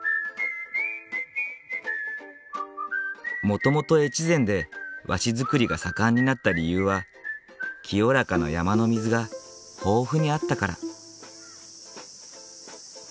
もともと越前で和紙作りが盛んになった理由は清らかな山の水が豊富にあったから。